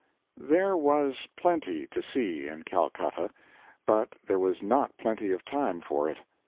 There was plenty to see in Calcutta, but there was not plenty of time for it.